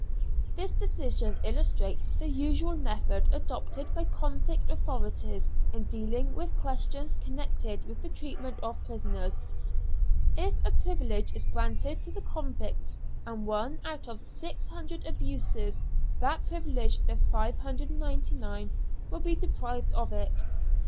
This decision illustrates the usual method adopted by convict authorities in dealing with questions connected with the treatment of prisoners. If a privilege is granted to the convicts and one out of 600 abuses that privilege the 599 will be deprived of it.